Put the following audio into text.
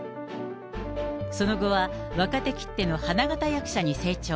その後は、若手きっての花形役者に成長。